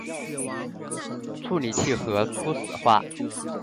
处理器核初始化